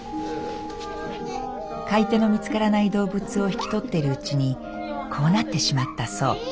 飼い手の見つからない動物を引き取っているうちにこうなってしまったそう。